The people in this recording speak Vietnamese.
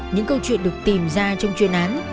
những câu chuyện được tìm ra trong chuyên án